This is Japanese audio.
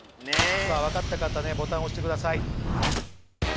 分かった方ボタンを押してください。